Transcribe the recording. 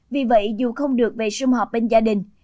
vì vậy dù không được về xung họp bên gia đình